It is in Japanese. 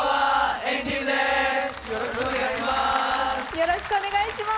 よろしくお願いします。